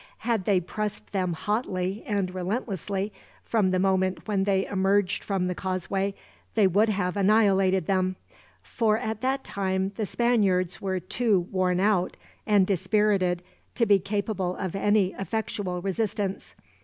Had they pressed them hotly and relentlessly, from the moment when they emerged from the causeway, they would have annihilated them; for at that time the Spaniards were too worn out, and dispirited, to be capable of any effectual resistance.